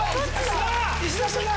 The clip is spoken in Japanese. ⁉さぁ石田さんだ！